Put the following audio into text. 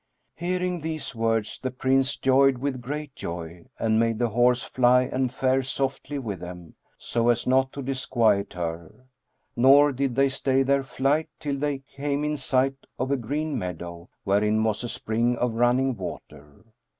Hearing these words the Prince joyed with great joy, and made the horse fly and fare softly with them, so as not to disquiet her; nor did they stay their flight till they came in sight of a green meadow, wherein was a spring of running water.